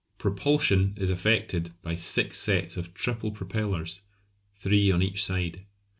Propulsion is effected by six sets of triple propellers, three on each side.